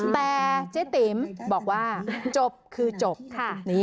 แต่เจ๊ติ๋มบอกว่าจบคือจบค่ะ